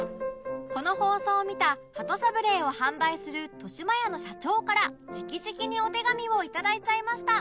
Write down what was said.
この放送を見た鳩サブレーを販売する豊島屋の社長から直々にお手紙をいただいちゃいました